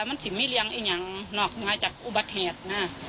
มันจะไม่เรียงอีกอย่างนอกมาจากอุบัติเหตุนะ